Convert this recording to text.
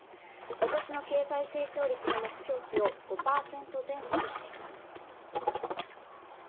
今年の経済成長率の目標値を５％前後としています。